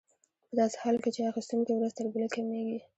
په داسې حال کې چې اخیستونکي ورځ تر بلې کمېږي